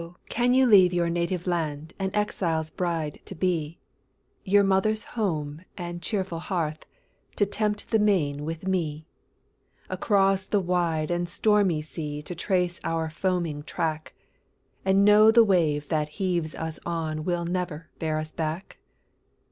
can you leave your native land An exile's bride to be; Your mother's home, and cheerful hearth, To tempt the main with me; Across the wide and stormy sea To trace our foaming track, And know the wave that heaves us on Will never bear us back?